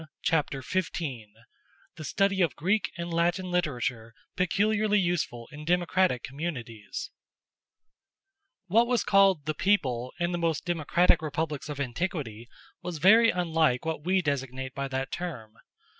Chapter XV: The Study Of Greek And Latin Literature Peculiarly Useful In Democratic Communities What was called the People in the most democratic republics of antiquity, was very unlike what we designate by that term.